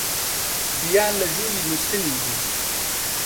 ڤیان لە ژووری نووستنی بوو.